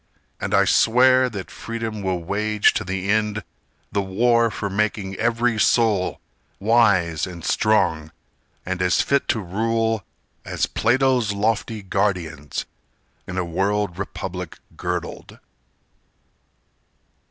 And I swear that Freedom will wage to the end The war for making every soul Wise and strong and as fit to rule As Plato's lofty guardians In a world republic girdled!